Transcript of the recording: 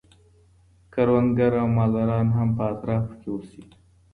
کروندګر او مالداران هم په اطرافو کي اوسیږي.